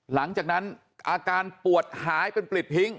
หลังจากนั้นอาการปวดหายเป็นปลิดทิ้ง